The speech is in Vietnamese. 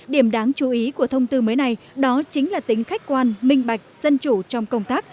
điểm đáng chú ý của thông tư mới này đó chính là tính khách quan minh bạch dân chủ trong công tác